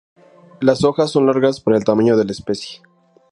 Las hojas son largas para el tamaño de la especie.